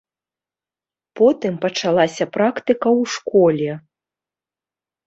Потым пачалася практыка ў школе.